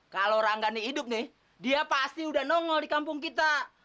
kalau ranggani hidup nih dia pasti udah nongol di kampung kita